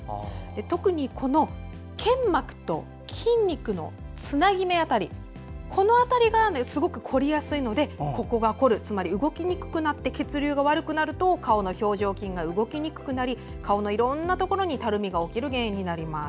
特に腱膜と筋肉のつなぎ目辺りがすごく凝りやすいのでここが凝るつまり動きにくくなって血流が悪くなると顔の表情筋が動きにくくなり顔のいろんなところにたるみが起きる原因になります。